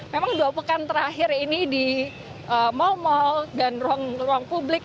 memang dua minggu terakhir ini di mall mall dan ruang ruang publik